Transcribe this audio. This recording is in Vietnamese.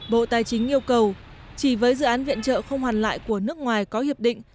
bộ tài chính yêu cầu chỉ với dự án viện trợ không hoàn lại của nước ngoài có hiệp định